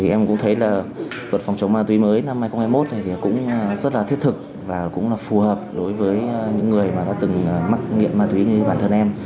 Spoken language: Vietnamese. em cũng thấy là luật phòng chống ma túy mới năm hai nghìn hai mươi một cũng rất là thiết thực và cũng là phù hợp đối với những người mà đã từng mắc nghiện ma túy như bản thân em